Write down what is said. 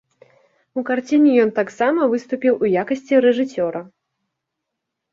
У карціне ён таксама выступіў у якасці рэжысёра.